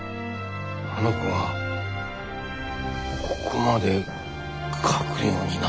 あの子がここまで描くようになっていたとは。